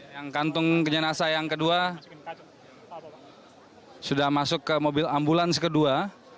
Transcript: yang kantung jenazah yang kedua sudah masuk ke mobil ambulans kedua